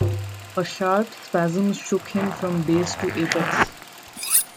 A sharp spasm shook him from base to apex.